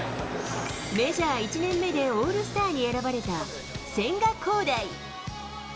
メジャー１年目でオールスターに選ばれた千賀滉大。